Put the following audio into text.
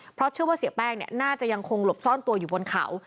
เพราะเชื่อว่าเสียแป้งน่าจะยังคงหลบซ่อนตัวอยู่บนเขา